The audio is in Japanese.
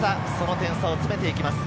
点差を詰めていきます。